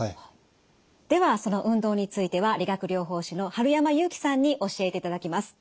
ではその運動については理学療法士の春山祐樹さんに教えていただきます。